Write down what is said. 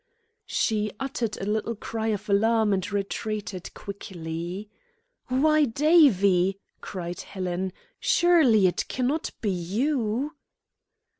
She uttered a little cry of alarm and retreated quickly. "Why, Davie," cried Helen, "surely it cannot be you!"